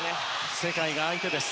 世界が相手です。